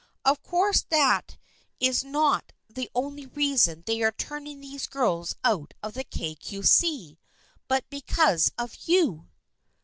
Of course that is not the only reason they are turning those girls out of the Kay Cue See, but because of you."